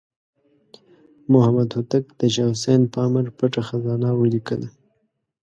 محمد هوتک د شاه حسین په امر پټه خزانه ولیکله.